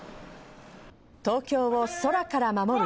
東京を空から守る